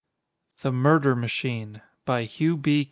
"_] The Murder Machine _By Hugh B.